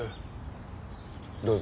どうぞ。